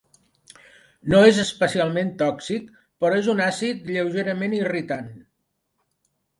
No és especialment tòxic, però és un àcid lleugerament irritant.